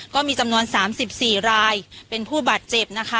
ก็มีจำนวนสามสิบสี่รายเป็นผู้บาดเจ็บนะคะ